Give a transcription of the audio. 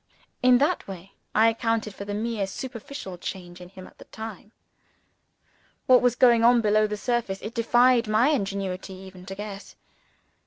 In that way I accounted for the mere superficial change in him, at the time. What was actually going on below the surface it defied my ingenuity even to guess.